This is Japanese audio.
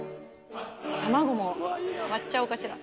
卵も割っちゃおうかしら。